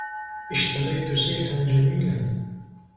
إشتريت سيفا جميلا.